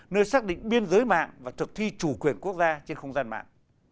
nơi xác định biên giới mạng và thực thi chủ quyền quốc gia trên không gian mạng